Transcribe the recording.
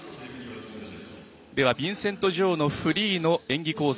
ビンセント・ジョウのフリーの演技構成。